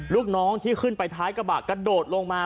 ลูกน้องที่ขึ้นไปท้ายกระบะกระโดดลงมา